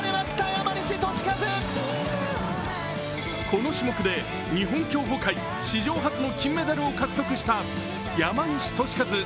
この種目で日本競歩界史上初の金メダルを獲得した山西利和